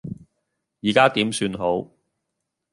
而家點算好